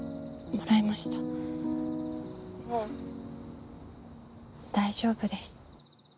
もう大丈夫です。